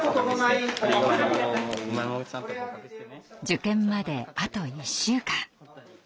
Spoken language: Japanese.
受験まであと１週間。